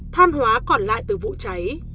than hóa còn lại từ vụ cháy